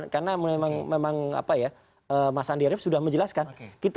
karena memang mas andi arief sudah menjelaskan